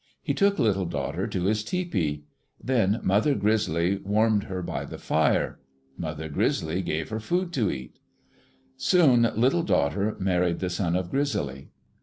He took Little Daughter to his tepee. Then Mother Grizzly warmed her by the fire. Mother Grizzly gave her food to eat. Soon Little Daughter married the son of Grizzly.